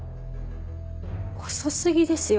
遅過ぎですよ